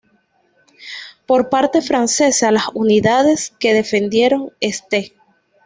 Por parte francesa, las unidades que defendieron St.